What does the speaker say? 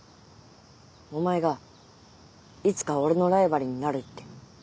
お前がいつか俺のライバルになるって。